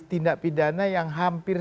tindak pidana yang hampir